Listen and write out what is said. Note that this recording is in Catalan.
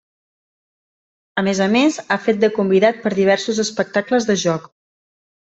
A més a més, ha fet de convidat per diversos espectacles de joc.